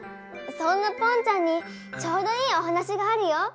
そんなぽんちゃんにちょうどいいおはなしがあるよ。